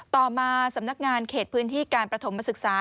ต่อมาสำนักงานเขตพื้นที่การประถมศึกษา